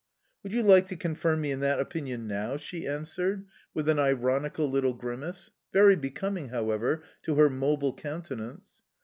"Would you like to confirm me in that opinion now?" she answered, with an ironical little grimace very becoming, however, to her mobile countenance.